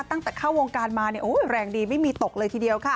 ตั้งแต่เข้าวงการมาแรงดีไม่มีตกเลยทีเดียวค่ะ